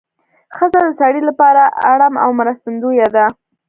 ښځه د سړي لپاره اړم او مرستندویه ده